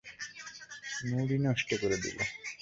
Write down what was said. মুডই নষ্ট করে দিলে।